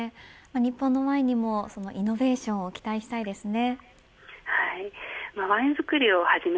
日本のワインにもそのイノベーションを期待したいですね。